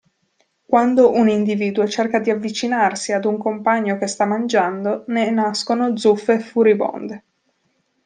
Quando un individuo cerca di avvicinarsi ad un compagno che sta mangiando, ne nascono zuffe furibonde.